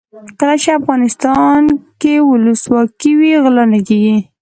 کله چې افغانستان کې ولسواکي وي غلا نه کیږي.